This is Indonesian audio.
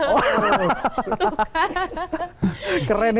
alah kata aria kebanyakan gaya